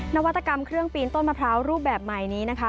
นวัตกรรมเครื่องปีนต้นมะพร้าวรูปแบบใหม่นี้นะคะ